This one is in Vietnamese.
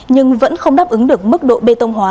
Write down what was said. nhưng vẫn không đáp ứng được mức độ bê tông hóa